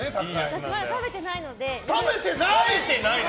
私、まだ食べてないので。